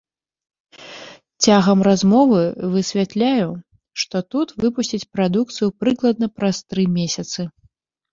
Цягам размовы высвятляю, што тут выпусцяць прадукцыю прыкладна праз тры месяцы.